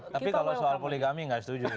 tapi kalau soal poligami nggak setuju